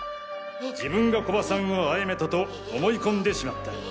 自分が古葉さんを殺めたと思い込んでしまった。